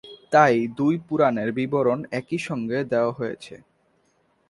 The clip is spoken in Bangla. তাই দুই পুরাণের বিবরণ একইসঙ্গে দেওয়া হয়েছে।